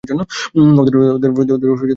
ওদের সবকটাকে মারতে পেরেছি?